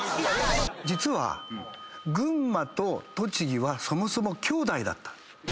実は群馬と栃木はそもそもきょうだいだった。